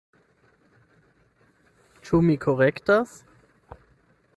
Ĉu mi korektas?